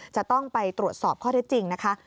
จะต้องไปตรวจสอบข้อเท็จจริงนะคะ